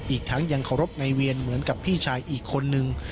อีกทั้งยังเคารพนายเวียนเหมือนกับพี่ชายอีกคนนึง